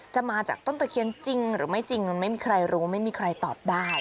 มาจากต้นตะเคียนจริงหรือไม่จริงมันไม่มีใครรู้ไม่มีใครตอบได้